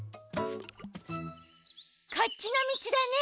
こっちのみちだね。